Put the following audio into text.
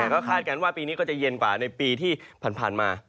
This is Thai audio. ก็คาดกันว่าปีนี้ก็จะเย็นกว่าในปีที่ผ่านมา